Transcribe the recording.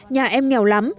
nhà em nghèo lắm